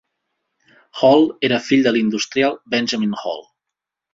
Hall era fill de l'industrial Benjamin Hall.